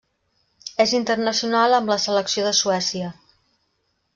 És internacional amb la selecció de Suècia.